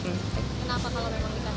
kenapa kalau memang dikantor